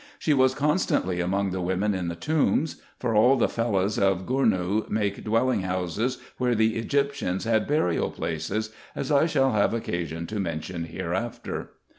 She was con stantly among the women in the tombs ; for all the Fellahs of Gournou make dwelling houses where the Egyptians had burial places, as I shall have occasion to mention hereafter.